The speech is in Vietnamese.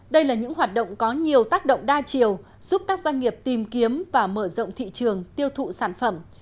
đây là những hoạt động có nhiều tác động đa chiều giúp các doanh nghiệp tìm kiếm và mở rộng thị trường tiêu thụ sản phẩm